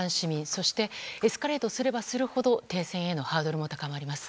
そしてエスカレートすればするほど停戦へのハードルも高まります。